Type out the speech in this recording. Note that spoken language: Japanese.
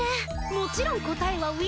もちろん答えはウィ！